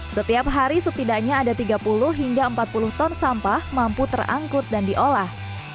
setiap hari setidaknya ada tiga puluh hingga empat puluh ton sampah mampu terangkut dan diolah